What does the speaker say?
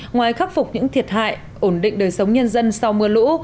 ngoài khắc phục những thiệt hại ổn định đời sống nhân dân sau mưa lũ